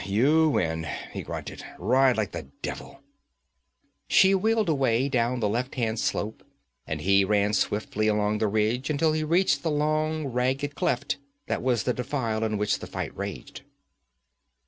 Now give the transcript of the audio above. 'You win!' he grunted. 'Ride like the devil!' She wheeled away down the left hand slope and he ran swiftly along the ridge until he reached the long ragged cleft that was the defile in which the fight raged.